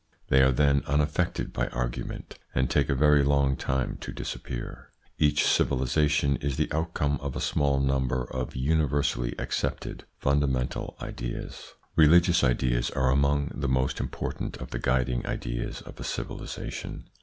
They are then unaffected by argument, and take a very long time to disappear. Each civilisation is the outcome of a small number of universally accepted funda mental ideas. Religious ideas are among the most important of the guiding ideas of a civilisation.